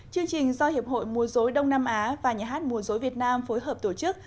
chương trình do hiệp hội mùa dối đông nam á và nhà hát mùa dối việt nam phối hợp tổ chức